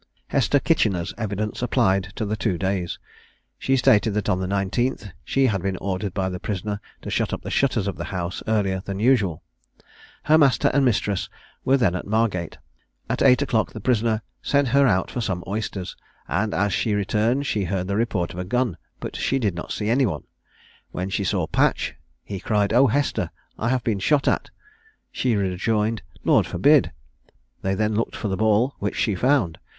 Hester Kitchener's evidence applied to the two days. She stated that on the 19th she had been ordered by the prisoner to shut up the shutters of the house earlier than usual. Her master and mistress were then at Margate. At eight o'clock the prisoner sent her out for some oysters; and as she returned, she heard the report of a gun, but she did not see any one. When she saw Patch, he cried, "Oh, Hester, I have been shot at!" She rejoined, "Lord forbid!" They then looked for the ball, which she found.